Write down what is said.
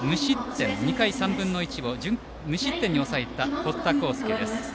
２回３分の１を無失点に抑えた堀田昂佑です。